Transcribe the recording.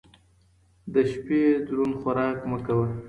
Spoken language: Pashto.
د شپې دروند خوراک مه کوه